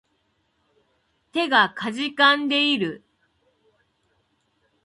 手が悴んでいる